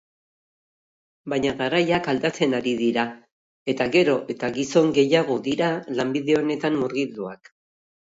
Baina garaiak aldatzen ari dira eta gero eta gizon gehiagodira lanbide honetan murgilduak.